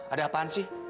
ada apaan sih